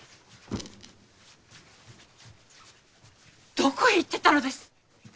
どこへ行ってたのです。